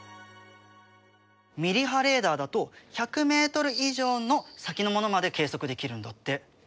ミリ波レーダーだと１００ｍ以上の先のものまで計測できるんだって。